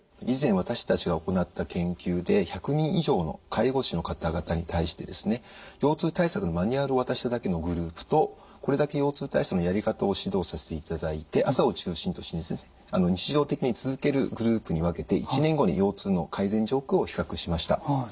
以前私たちが行った研究で１００人以上の介護士の方々に対して腰痛対策のマニュアルを渡しただけのグループとこれだけ腰痛体操のやり方を指導させていただいて朝を中心として日常的に続けるグループに分けて１年後に腰痛の改善状況を比較しました。